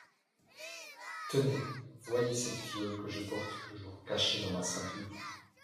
Tenez, voyez cette fiole que je porte toujours cachée dans ma ceinture.